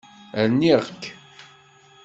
Rniɣ-k.